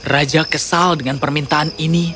raja kesal dengan permintaan ini